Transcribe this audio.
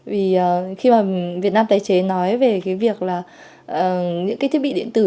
vì khi mà việt nam tái chế nói về cái việc là những cái thiết bị điện tử